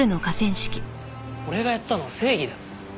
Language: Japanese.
俺がやったのは正義だ。